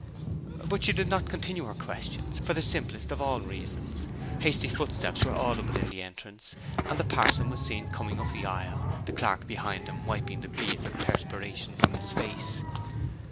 But she did not continue her questions, for the simplest of all reasons: hasty footsteps were audible in the entrance, and the parson was seen coming up the aisle, the clerk behind him wiping the beads of perspiration from his face.